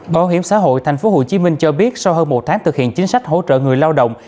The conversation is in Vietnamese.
bảo hiểm xã hội tp hcm cho biết sau hơn một tháng thực hiện chính sách hỗ trợ người lao động